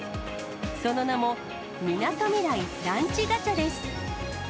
その名も、みなとみらいランチガチャです。